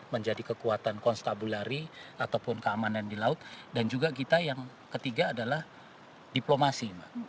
menjadi kekuatan konstabulary ataupun keamanan di laut dan juga kita yang ketiga adalah diplomasi